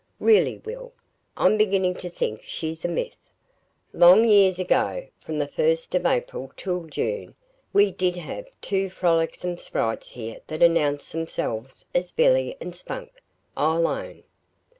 "Really, Will, I'm beginning to think she's a myth. Long years ago, from the first of April till June we did have two frolicsome sprites here that announced themselves as 'Billy' and 'Spunk,' I'll own.